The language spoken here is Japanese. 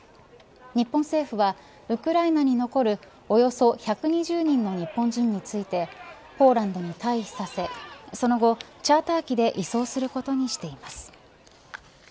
日本政府はウクライナに残るおよそ１２０人の日本人についてポーランドに退避させその後、チャーター機で移送することにしています。